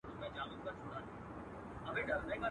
د دې نوي کفن کښ ګډه غوغا وه.